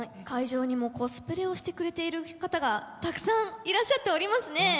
会場にもコスプレをしてくれている方がたくさんいらっしゃっておりますね。